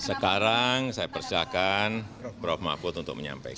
sekarang saya persilahkan prof mahfud untuk menyampaikan